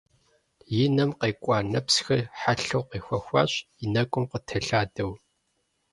И нэм къекӏуа нэпсхэр, хьэлъэу къехуэхащ, и нэкӏум къытелъадэу.